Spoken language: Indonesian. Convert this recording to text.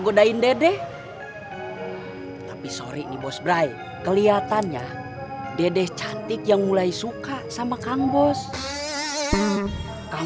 godain dede tapi sorry nih bos brai kelihatannya dede cantik yang mulai suka sama kang bos kang